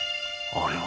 あれは？